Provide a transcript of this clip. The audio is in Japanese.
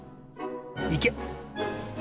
いけ！